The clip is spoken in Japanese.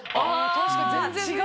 確かに全然雰囲気違う。